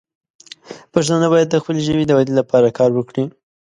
پښتانه باید د خپلې ژبې د ودې لپاره کار وکړي.